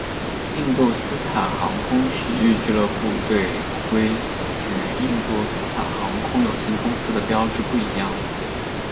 印度斯坦航空体育俱乐部队徽与印度斯坦航空有限公司的标志不一样。